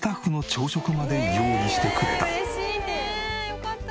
よかったね」